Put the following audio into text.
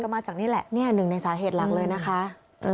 มาจากนี่แหละเนี่ยหนึ่งในสาเหตุหลักเลยนะคะ